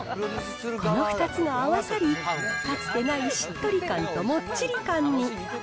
この２つが合わさり、かつてないしっとり感と、もっちり感に。